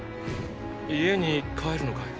家に帰るのかい？